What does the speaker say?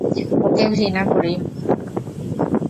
ওকে ঘৃণা করি।